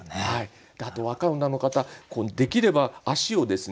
あと若い女の方できれば足をですね